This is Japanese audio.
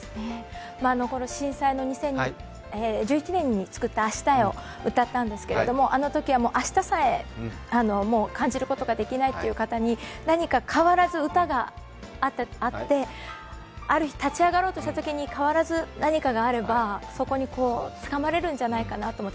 震災の２０１１年に作った「明日へ」を歌ったんですけど、あのときは、もう明日さえ感じることができないという方に何か変わらず歌があって、ある日、立ち上がろうとしたときに変わらず何かがあれば、そこにつかめるんじゃないかと思って。